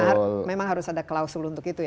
nah memang harus ada klausul untuk itu